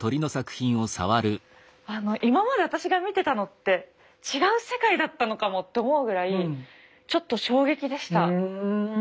今まで私が見てたのって違う世界だったのかもって思うぐらいちょっと衝撃でした。